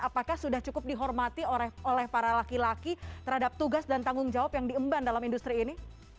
apakah sudah cukup dihormati oleh para laki laki terhadap tugas dan tanggung jawab yang diemban dalam industri ini